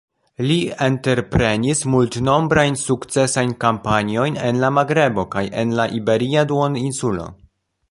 Li entreprenis multnombrajn sukcesajn kampanjojn en la Magrebo kaj en la Iberia duoninsulo.